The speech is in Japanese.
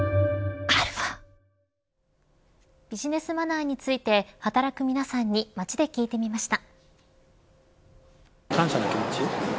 ビジネスマナーについて働く皆さんに街で聞いてみました。